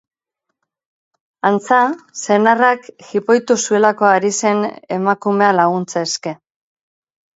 Antza, senarrak jipoitu zuelako ari zen emakumea laguntza eske.